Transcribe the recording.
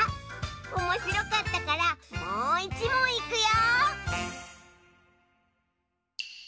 おもしろかったからもういちもんいくよ。